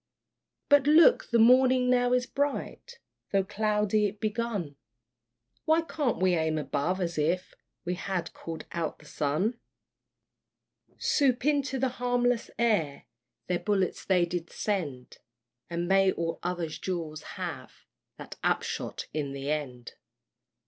But look, the morning now is bright, Though cloudy it begun: Why can't we aim above, as if We had called out the sun? Soup into the harmless air Their bullets they did send; And may all other duels have That upshot in the end!